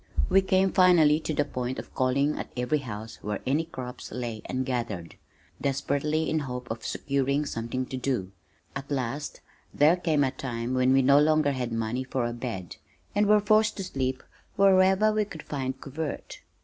We came finally to the point of calling at every house where any crops lay ungathered, desperately in hope of securing something to do. At last there came a time when we no longer had money for a bed, and were forced to sleep wherever we could find covert.